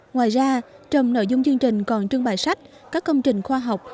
ngoài ra trong nội dung chương trình còn trưng bày sách các công trình khoa học